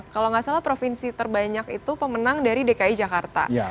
kalau nggak salah provinsi terbanyak itu pemenang dari dki jakarta